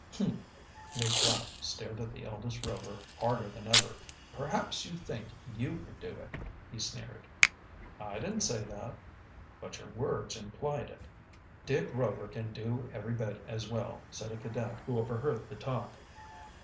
"Humph!" Lew Flapp stared at the eldest Rover harder than ever. "Perhaps you think you can do it," he sneered. "I didn't say that." "But your words implied it." "Dick Rover can do every bit as well," said a cadet who overheard the talk.